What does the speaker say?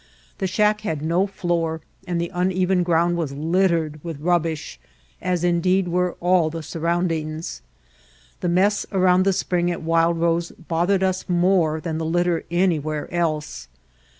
The shack had no floor and the uneven ground was littered with rubbish, as indeed were all the surroundings. The mess around the spring at Wild Rose both ered us more than the litter anywhere else.